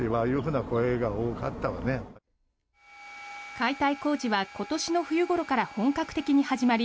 解体工事は今年の冬ごろから本格的に始まり